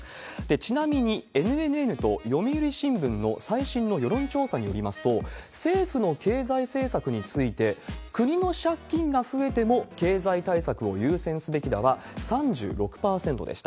ちなみに、ＮＮＮと読売新聞の最新の世論調査によりますと、政府の経済政策について、国の借金が増えても経済対策を優先すべきだが３６％でした。